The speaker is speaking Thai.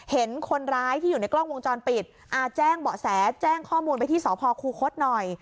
เห็นคนร้ายที่อยู่ในกล้องวงจรปิดแจ้งเบาะแสแจ้งข้อมูลไปที่สพคูคศหน่อย